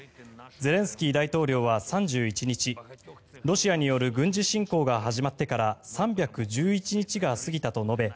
ゼレンスキー大統領は３１日ロシアによる軍事侵攻が始まってから３１１日が過ぎたと述べ